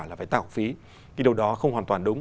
là phải tạo phí cái điều đó không hoàn toàn đúng